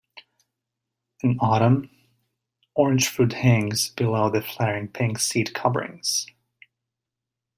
In autumn, orange fruit hangs below the flaring pink seed coverings.